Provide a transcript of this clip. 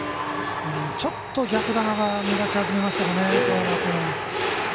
ちょっと逆球が目立ち始めました、當山君。